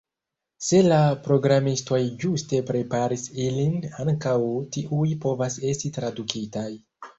Se la programistoj ĝuste preparis ilin, ankaŭ tiuj povas esti tradukitaj.